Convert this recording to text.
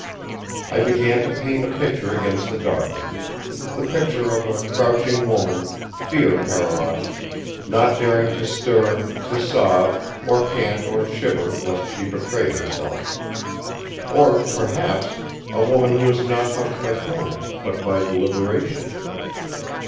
I began to paint a picture against the darkness; the picture of a crouching woman, fear paralyzed; not daring to stir, to sob or pant or shiver lest she betray herself. Or, perhaps, a woman who was not hushed by panic, but by deliberation.